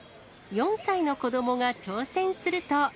４歳の子どもが挑戦すると。